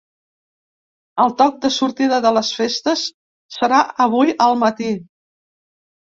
El toc de sortida de les festes serà avui al matí.